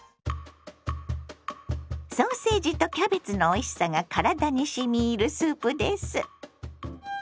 ソーセージとキャベツのおいしさが体にしみいるスープです。